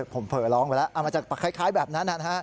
ผมเผลอร้องไปแล้วมันจะคล้ายแบบนั้น